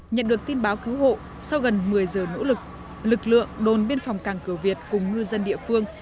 nhận được tin báo cứu hộ sau gần một mươi giờ nỗ lực lực lượng đồn biên phòng càng cửa việt cùng ngư dân địa phương